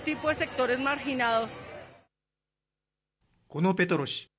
このペトロ氏。